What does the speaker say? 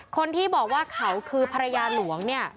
คนที่บอกว่าเขาคือภรรยาหลวงเนี่ย